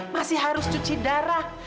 masih harus cuci darah